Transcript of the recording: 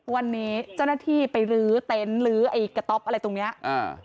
วันนี้เจ้าหน้าที่ไปรื้อเต็นต์ลื้อไอ้กระต๊อปอะไรตรงเนี้ยอ่า